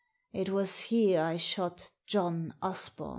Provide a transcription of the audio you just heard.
It was here I shot John Osbom."